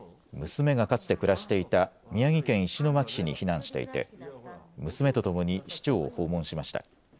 娘がかつて暮らしていた宮城県石巻市に避難していて、娘と共に市長を訪問しました。